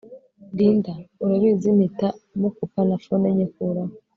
Linda urabizimpita mukupa na phone nyikuraho